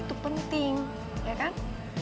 itu penting ya kan